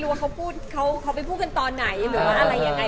เราความจบคือไม่รู้ว่าเขาไปพูดอะไรตอนไหนเราก็ไม่ได้ถามเลยค่ะ